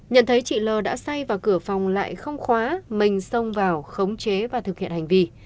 nhận thấy chị l đã xay vào cửa phòng lại không khóa mình xông vào khống chế và thực hiện hành vi